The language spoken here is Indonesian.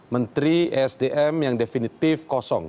menteri sdm yang definitif kosong